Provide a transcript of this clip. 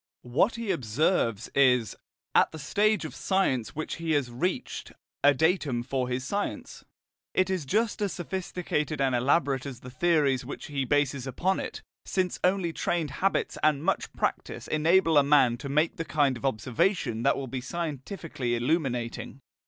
What he observes is, at the stage of science which he has reached, a datum for his science. It is just as sophisticated and elaborate as the theories which he bases upon it, since only trained habits and much practice enable a man to make the kind of observation that will be scientifically illuminating.